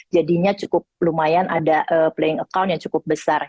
jadinya cukup lumayan ada playing account yang cukup besar